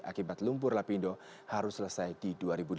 akibat lumpur lapindo harus selesai di dua ribu dua puluh